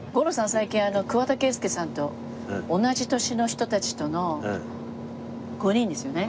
最近桑田佳祐さんと同じ年の人たちとの５人ですよね？